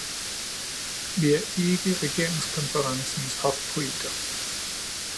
Vi er ikke regeringskonferencens hofpoeter.